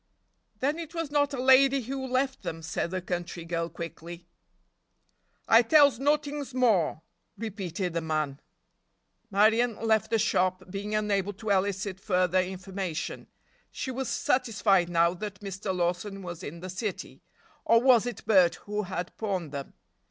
"Then it was not a lady who left them," said the country girl, quickly. "I tells nottings more," repeated the man. Marion left the shop, being unable to elicit further information. She was satisfied now that Mr. Lawson was in the city—or was it Bert who had pawned them?